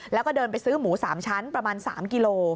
แล้วก็เดินไปซื้อหมู๓ชั้นประมาณ๓กิโล